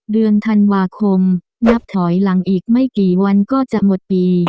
เดือนธันวาคมนับถอยหลังอีกไม่กี่วันก็จะหมดปี